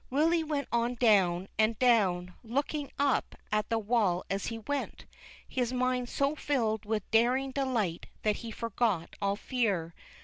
Willy went on down and down, looking up at the wall as he went, his mind so filled with daring delight that he forgot all fear.